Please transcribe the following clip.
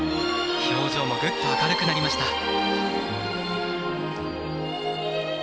表情もぐっと明るくなりました。